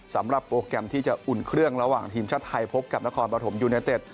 สำหรับโปรแกรมที่จะอุ่นเครื่องระหว่างทีมชาติไทยพบกับนครปฐมยูเนเต็ด